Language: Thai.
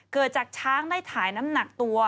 เกิดจากช้างได้ถ่ายน้ำหนักตัว